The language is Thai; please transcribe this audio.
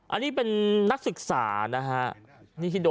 อันนี้เป็นนักศึกษาความตลอด